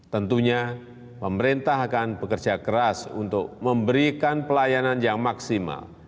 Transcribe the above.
tentunya pemerintah akan bekerja keras untuk memberikan pelayanan yang maksimal